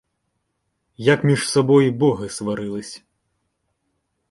Як між собой боги сварились